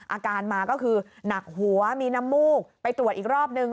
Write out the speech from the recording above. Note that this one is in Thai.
อาการมาก็คือหนักหัวมีน้ำมูกไปตรวจอีกรอบนึง